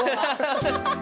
ハハハハ。